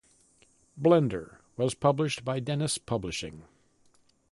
"Blender" was published by Dennis Publishing.